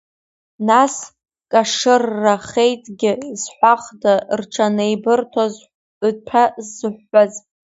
Нас кашыррахеитгьы зҳәахда рҽанеибырҭоз ҭәа зыҳәҳәаз!